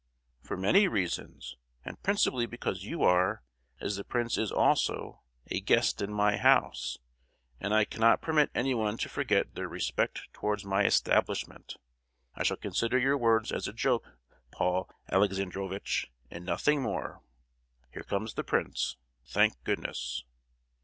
"For many reasons; and, principally because you are, as the prince is also, a guest in my house; and I cannot permit anyone to forget their respect towards my establishment! I shall consider your words as a joke, Paul Alexandrovitch, and nothing more! Here comes the prince—thank goodness!"